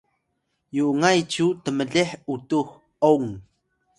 yungay cyu tmleh utux ong